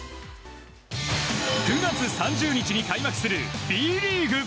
９月３０日に開幕するＢリーグ。